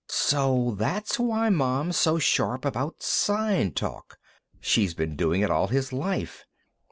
"So that's why Mom's so sharp about sign talk. She's been doing it all his life."